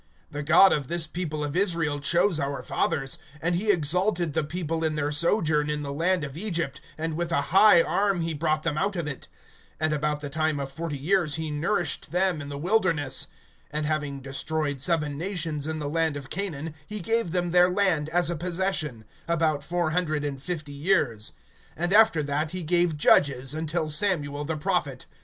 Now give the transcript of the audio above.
(17)The God of this people of Israel chose our fathers; and he exalted the people in their sojourn in the land of Egypt, and with a high arm he brought them out of it. (18)And about the time of forty years he nourished them[13:18] in the wilderness. (19)And having destroyed seven nations in the land of Canaan, he gave them their land as a possession, (20)about four hundred and fifty years. And after that, he gave judges, until Samuel the prophet.